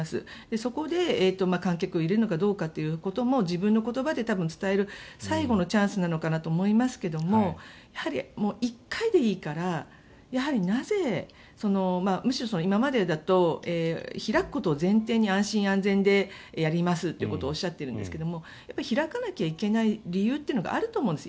そこで、観客を入れるのかどうかということも自分の言葉で伝える最後のチャンスなのかなと思いますけれどやはり１回でいいからやはりなぜむしろ今までだと開くことを前提に安心安全でやりますということをおっしゃっているんですけど開かなきゃいけない理由というのがあると思うんです。